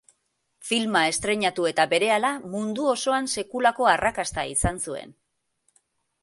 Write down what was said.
Filma estreinatu eta berehala, mundu osoan sekulako arrakasta izan zuen.